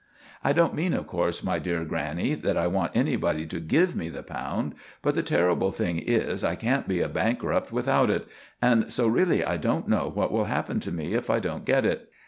"I don't mean, of course, my dear grannie, that I want anybody to give me the pound; but the terrible thing is, I can't be a bankrupt without it, and so really I don't know what will happen to me if I don't get it.